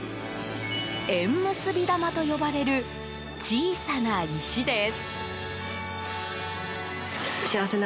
縁結び玉と呼ばれる小さな石です。